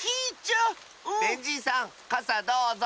ベンじいさんかさどうぞ。